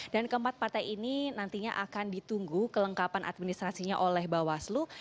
dan keempat partai ini nantinya akan ditunggu kelengkapan administrasinya oleh bawah seluruh